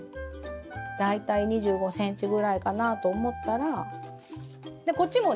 大体２５ｃｍぐらいかなあと思ったらでこっちもね